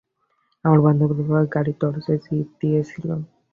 আমার বান্ধবীর বাবা, গাড়ির দরজায় চিপ দিয়েছিল।